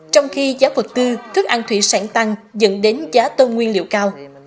trong khi giá vật tư thức ăn thủy sản tăng dẫn đến giá tôm nguyên liệu cao